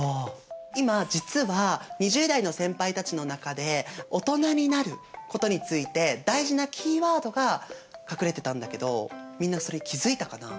今実は２０代の先輩たちの中でオトナになることについて大事なキーワードが隠れてたんだけどみんなそれ気付いたかな？